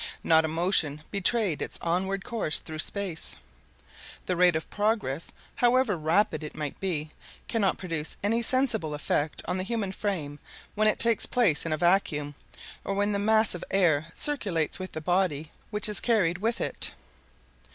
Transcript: Not a motion betrayed its onward course through space. The rate of progress, however rapid it might be, cannot produce any sensible effect on the human frame when it takes place in a vacuum, or when the mass of air circulates with the body which is carried with it.